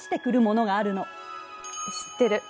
知ってる。